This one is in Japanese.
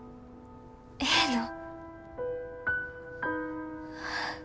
ええの？